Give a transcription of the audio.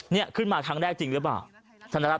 เนี่ยขึ้นมาทั้งแรกจริงหรือเปล่า